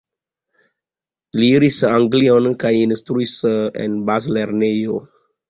Li iris Anglion kaj instruis en bazlernejo.